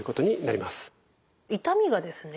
痛みがですね